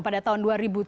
pada tahun dua ribu tujuh